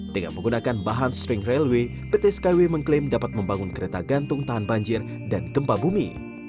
dengan menggunakan bahan strengt railway pt skyway mengklaim dapat membangun kereta gantung tahan banjir dan gempa bumi